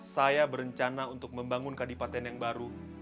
saya berencana untuk membangun kadipaten yang baru